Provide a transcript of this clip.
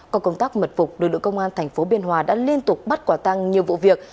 còn công tác mật phục đội đội công an thành phố biên hòa đã liên tục bắt quả tăng nhiều vụ việc